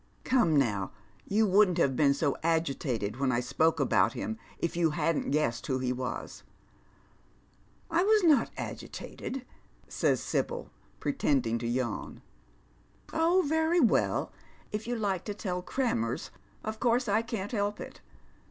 " Come now, you wouldn't have been so agitated when I spoke about him if you hadn't guessod who he was." ''I was not agitated," says Sibyl, pretending to yawn. " Oh, very well, if you like to tell crammers, of course I can't help it.